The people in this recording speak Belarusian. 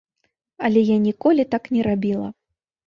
Але я ніколі так не рабіла.